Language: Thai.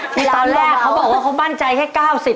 ที่ตอนแรกเขาบอกว่าเขามั่นใจแค่๙๐